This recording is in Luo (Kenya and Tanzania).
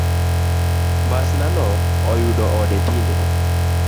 Mbasnano oyudo ode tinde.